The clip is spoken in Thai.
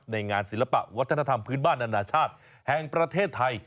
ในงานศิลปะวัฒนธรรมพื้นบ้านนานาชาติแห่งประเทศไทย